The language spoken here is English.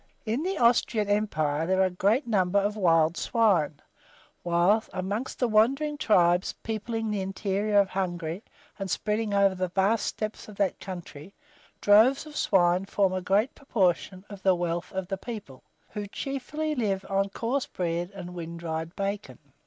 In the Austrian empire there are great numbers of wild swine, while, among the wandering tribes peopling the interior of Hungary, and spreading over the vast steppes of that country, droves of swine form a great portion of the wealth of the people, who chiefly live on a coarse bread and wind dried bacon.